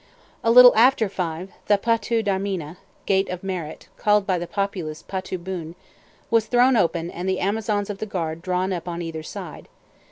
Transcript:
A little after five, the Patoo Dharmina ("Gate of Merit," called by the populace "Patoo Boon") was thrown open and the Amazons of the guard drawn up on either side.